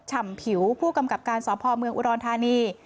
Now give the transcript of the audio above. ฉ่ำผิวผู้กำกับการสพเมืองอุดรธานี